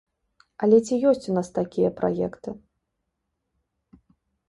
Але ці ёсць у нас такія праекты?